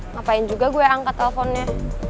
ngapain juga gue angkat teleponnya